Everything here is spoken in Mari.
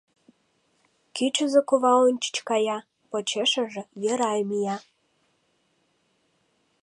Кӱчызӧ кува ончыч кая, почешыже Верай мия.